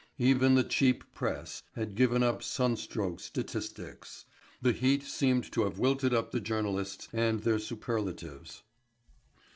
Even the cheap press had given up sunstroke statistics. The heat seemed to have wilted up the journalists and their superlatives.